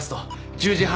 １０時半。